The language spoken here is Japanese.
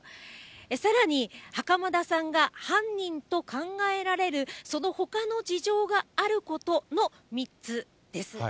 さらに、袴田さんが犯人と考えられるそのほかの事情があることの３つです。